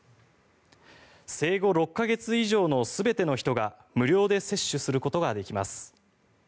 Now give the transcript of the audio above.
生後６か月以上の全ての人が無料で接種することができます。